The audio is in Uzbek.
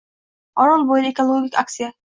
Orolbo‘yida ekologik aksiya